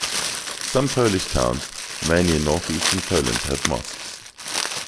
Some Polish towns, mainly in northeastern Poland have mosques.